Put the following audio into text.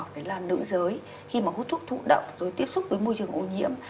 đấy là nữ giới khi mà hút thuốc thụ động rồi tiếp xúc với môi trường ô nhiễm